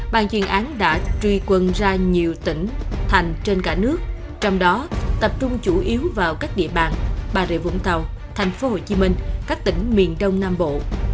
bàn chuyên án đã truy quân ra nhiều tỉnh thành trên cả nước trong đó tập trung chủ yếu vào các địa bàn bà rịa vũng tàu thành phố hồ chí minh các tỉnh miền đông nam bộ